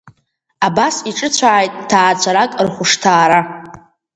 Абас иҿыцәааит ҭаацәарак рхәышҭаара.